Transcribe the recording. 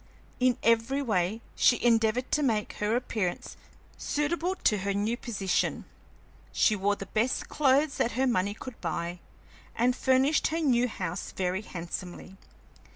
In every way she endeavored to make her appearance suitable to her new position. She wore the best clothes that her money could buy, and furnished her new house very handsomely.